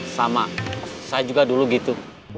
sama saya juga dulu gitu